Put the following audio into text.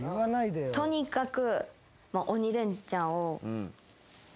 とにかく。